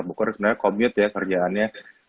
bukur sebenarnya commute ya kerjaannya